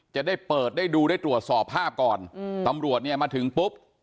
จะได้เปิดได้ดูได้ตรวจสอบภาพก่อนอืมตำรวจเนี่ยมาถึงปุ๊บ